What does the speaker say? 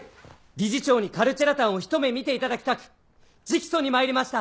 理事長にカルチェラタンをひと目見ていただきたく直訴にまいりました！